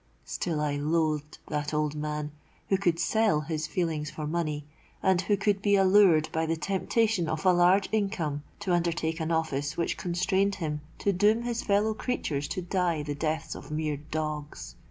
Still I loathed that old man who could sell his feelings for money, and who could be allured by the temptation of a large income to undertake an office which constrained him to doom his fellow creatures to die the deaths of mere dogs.